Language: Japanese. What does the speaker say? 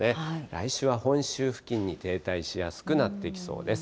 来週は本州付近に停滞しやすくなってきそうです。